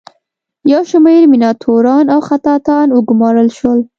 یو شمیر میناتوران او خطاطان وګومارل شول.